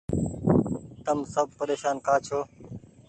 تم سب پريشان ڪآ ڇو۔